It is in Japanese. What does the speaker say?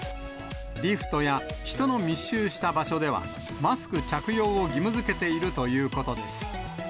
リフトや人の密集した場所では、マスク着用を義務付けているということです。